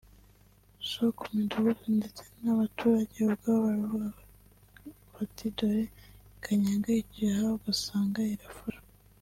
zo ku midugudu ndetse n’abaturage ubwabo baravuga bati dore Kanyanga iciye ahangaha ugasanga irafashwe”